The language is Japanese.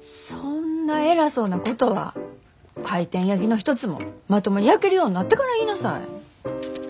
そんな偉そうなことは回転焼きの一つもまともに焼けるようになってから言いなさい。